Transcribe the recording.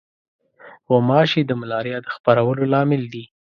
غوماشې د ملاریا د خپرولو لامل دي.